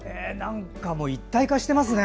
一体化してますね！